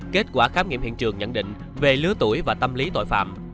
kết quả khám nghiệm hiện trường nhận định về lứa tuổi và tâm lý tội phạm